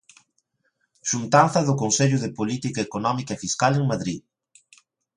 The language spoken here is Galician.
Xuntanza do Consello de Política Económica e Fiscal en Madrid.